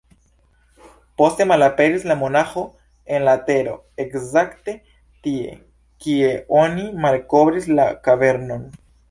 Poste malaperis la monaĥo en la tero ekzakte tie, kie oni malkovris la kavernon.